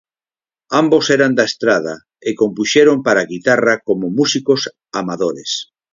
Ambos eran da Estrada e compuxeron para guitarra como músicos amadores.